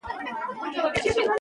دا کار زموږ اقتصاد پیاوړی کوي.